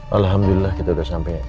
alhamdulillah kita udah sampe